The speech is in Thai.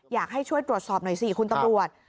อยากให้ช่วยตรวจสอบหน่อยสิคุณตำรวจ